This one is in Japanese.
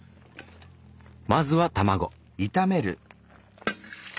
まずは卵。